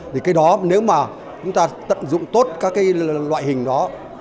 thì cái đó nếu mà chúng ta tận dụng tốt các cái loại hình đó